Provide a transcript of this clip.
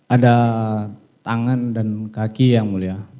ada tangan dan kaki yang mulia